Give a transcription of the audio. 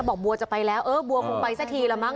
บอกบัวจะไปแล้วเออบัวคงไปซะทีละมั